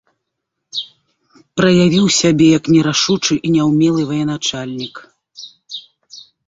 Праявіў сябе як нерашучы і няўмелы военачальнік.